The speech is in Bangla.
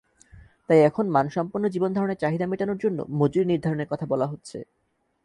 তাই এখন মানসম্পন্ন জীবনধারণের চাহিদা মেটানোর জন্য মজুরি নির্ধারণের কথা বলা হচ্ছে।